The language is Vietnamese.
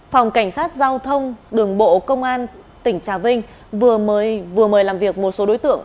phòng cảnh sát giao thông đường bộ công an tỉnh trà vinh vừa mời làm việc một số đối tượng